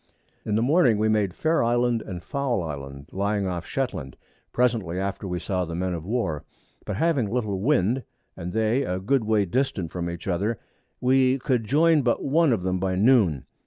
In the Morning we made Fair Island and Foul Island lying off of Shetland, presently after we saw the Men of War; but having little Wind, and they a good way distant from each other, we could join but one of them by Noon.